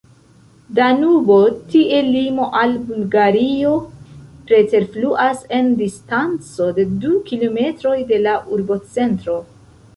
Danubo, tie limo al Bulgario, preterfluas en distanco de du kilometroj de la urbocentro.